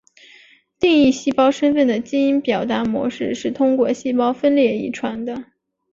定义细胞身份的基因表达模式是通过细胞分裂遗传的。